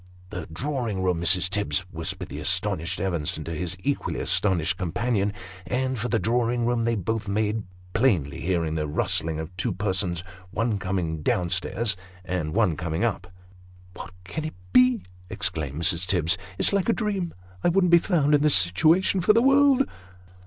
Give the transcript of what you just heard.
" The drawing room, Mrs. Tibbs !" whispered the astonished Evenson to his equally astonished companion ; and for the drawing room they both made, plainly hearing the rustling of two persons, one coming down stairs, and one coming up. " What can it be ?" exclaimed Mrs. Tibbs. " It's like a dream. I wouldn't be found in this situation for the world